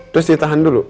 terus ditahan dulu